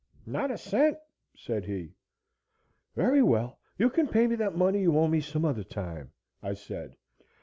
"Not a cent," said he. "Very well, you can pay me that money you owe some other time," I said.